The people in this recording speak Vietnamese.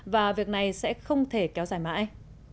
và việc này sẽ không thể kéo dài mãi